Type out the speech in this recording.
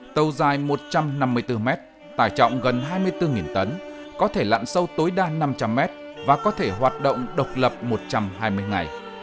tàu dài một trăm năm mươi bốn mét tài trọng gần hai mươi bốn tấn có thể lặn sâu tối đa năm trăm linh mét và có thể hoạt động độc lập một trăm hai mươi ngày